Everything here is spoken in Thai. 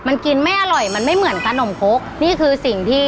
ไม่เหมือนขนมโค๊กนี่คือสิ่งที่